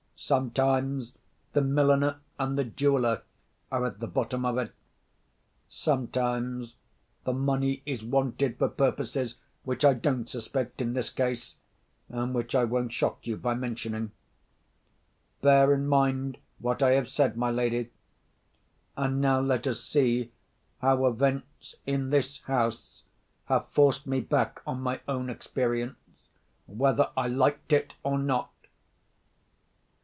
Sometimes, the milliner and the jeweller are at the bottom of it. Sometimes, the money is wanted for purposes which I don't suspect in this case, and which I won't shock you by mentioning. Bear in mind what I have said, my lady—and now let us see how events in this house have forced me back on my own experience, whether I liked it or not!"